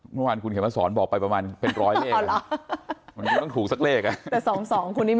เมื่อวานคุณเขียนมาสอนบอกไปประมาณเป็นร้อยเลข